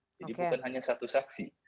jadi bukan hanya satu saksi